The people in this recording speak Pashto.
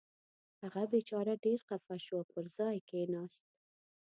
هغه بېچاره ډېر خفه شو او پر ځای کېناست.